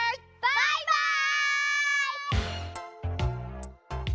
バイバイ！